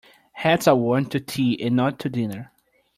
Hats are worn to tea and not to dinner.